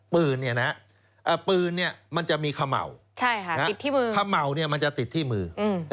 ปือนี่มันจะมีขม่าวขม่าวมันจะติดที่มือ